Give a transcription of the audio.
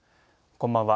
こんばんは。